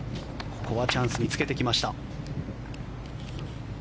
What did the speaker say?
ここはチャンスにつけてきました。